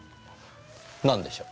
なんでしょう？